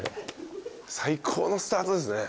最高のスタートですね。